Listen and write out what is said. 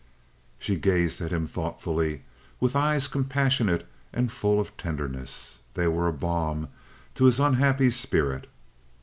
She gazed at him thoughtfully, with eyes compassionate and full of tenderness. They were a balm to his unhappy spirit.